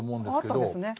ああったんですね。